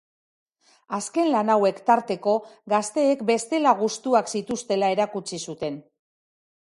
Azken lan hauek tarteko, gazteek bestela gustuak zituztela erakutsi zuten.